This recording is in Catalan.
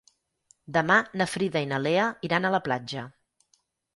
Demà na Frida i na Lea iran a la platja.